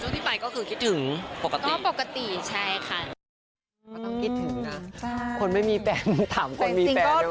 จุดที่ไปก็คือคิดถึงปกติ